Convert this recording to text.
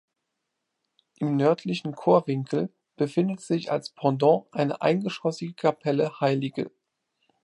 Im nördlichen Chorwinkel befindet sich als Pendant eine eingeschoßige Kapelle hl.